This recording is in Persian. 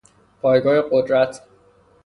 پایگاه قدرت